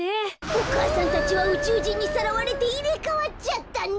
お母さんたちはうちゅうじんにさらわれていれかわっちゃったんだ！